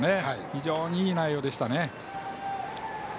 非常にいい内容でしたね。